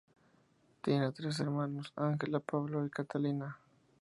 Tiene tres hermanos, Ángela, Pablo y Catalina.